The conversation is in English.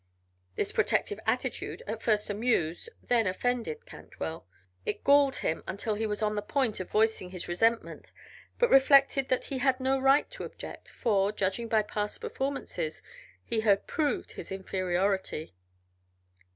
This protective attitude at first amused, then offended Cantwell, it galled him until he was upon the point of voicing his resentment, but reflected that he had no right to object, for, judging by past performances, he had proved his inferiority.